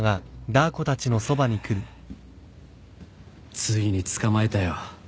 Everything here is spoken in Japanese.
ついに捕まえたよ